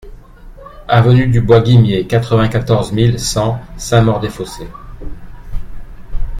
Avenue du Bois Guimier, quatre-vingt-quatorze mille cent Saint-Maur-des-Fossés